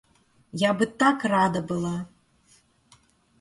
Я бы так рада была!